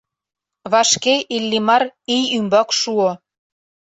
Вашке Иллимар ий ӱмбак шуо.